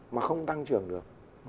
mà không tăng trưởng được